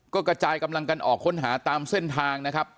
ก็กระจายกำลังกันออกค้นหาตามเส้นทางนะครับ